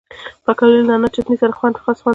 پکورې له نعناع چټني سره خاص خوند لري